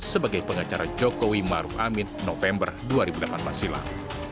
sebagai pengacara jokowi maruf amin november dua ribu delapan belas silam